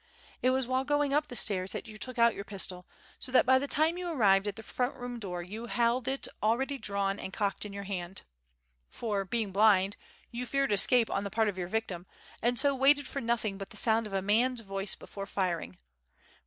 "It was while going up the stairs that you took out your pistol, so that by the time you arrived at the front room door you held it already drawn and cocked in your hand. For, being blind, you feared escape on the part of your victim, and so waited for nothing but the sound of a man's voice before firing.